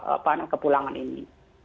apa namanya kepulangan ini